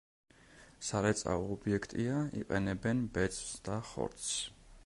სარეწაო ობიექტია, იყენებენ ბეწვს და ხორცს.